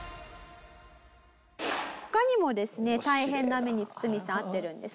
他にもですね大変な目にツツミさん遭ってるんですね。